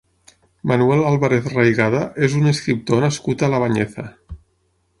Manuel Álvarez Raigada és un escriptor nascut a La Bañeza.